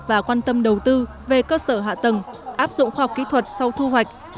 và quan tâm đầu tư về cơ sở hạ tầng áp dụng khoa học kỹ thuật sau thu hoạch